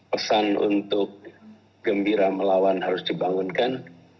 pesan untuk gembira melawan harus dibangunkan